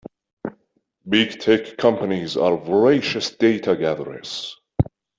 Big tech companies are voracious data gatherers.